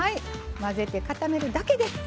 混ぜて固めるだけです。